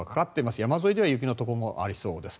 山沿いでは雪のところもありそうです。